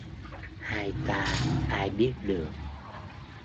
Hai ta ai biết được